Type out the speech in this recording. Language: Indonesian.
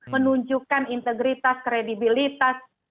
menunjukkan integritas kredibilitas